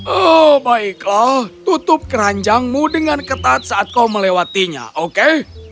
oh baiklah tutup keranjangmu dengan ketat saat kau melewatinya oke